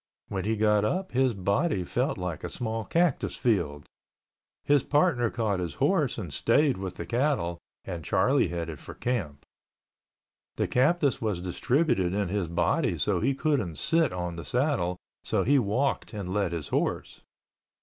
When he got up his body felt like a small cactus field. His partner caught his horse and stayed with the cattle, and Charlie headed for camp. The cactus was distributed in his body so he couldn't sit on the saddle, so he walked and led his horse.